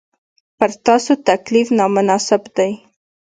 پر تاسو تکلیف نامناسب دی.